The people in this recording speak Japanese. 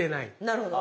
なるほど。